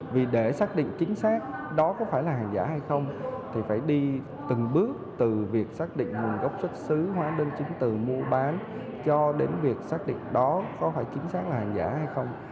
vì để xác định chính xác đó có phải là hàng giả hay không thì phải đi từng bước từ việc xác định nguồn gốc xuất xứ hóa đơn chứng từ mua bán cho đến việc xác định đó có phải chính xác là hàng giả hay không